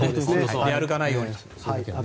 出歩かないようにね。